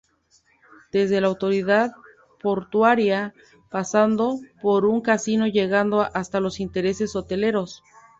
Desde la Autoridad Portuaria, pasando por un casino llegando hasta los intereses hoteleros.